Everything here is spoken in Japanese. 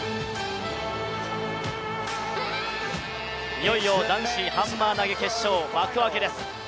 いよいよ男子ハンマー投げ決勝、幕開けです。